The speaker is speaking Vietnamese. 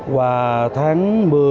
và tháng một mươi